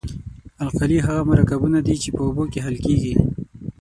القلي هغه مرکبونه دي چې په اوبو کې حل کیږي.